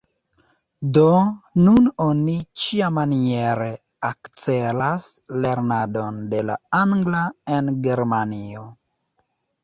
Do nun oni ĉiamaniere akcelas lernadon de la angla en Germanio.